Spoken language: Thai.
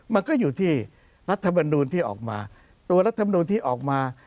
มันก็อยู่ที่รัฐมนูลที่ออกมาตัวรัฐมนูลที่ออกมา